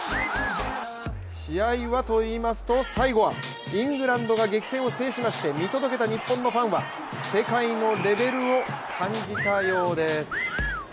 試合はといいますと、最後はイングランドが激戦を制しまして見届けた日本のファンは世界のレベルを感じたようです。